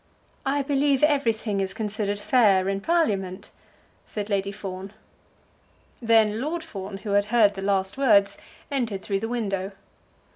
"I believe everything is considered fair in Parliament," said Lady Fawn. Then Lord Fawn, who had heard the last words, entered through the window.